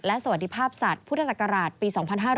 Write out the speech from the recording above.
สวัสดีภาพสัตว์พุทธศักราชปี๒๕๕๙